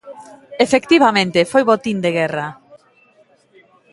Efectivamente, foi botín de guerra.